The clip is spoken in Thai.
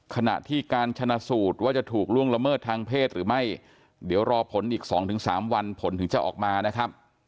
ขณะที่การชนะสูตรว่าจะถูกล่วงละเมิดทางเพศหรือไม่เดี๋ยวรอผลอีก๒๓วันผลถึงจะออกมานะครับ